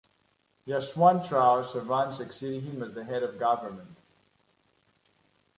Yashwantrao Chavan succeeded him as the head of government.